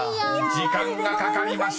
［時間がかかりました］